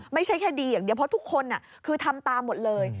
ไม่ใช่แค่ดีอย่างเดียวเพราะทุกคนคือทำตามหมดเลย